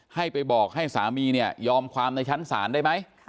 ให้ไปบอกให้สามียอมความนายฉันศาลได้ไหม